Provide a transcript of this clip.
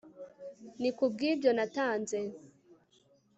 ni kubwibyo natanze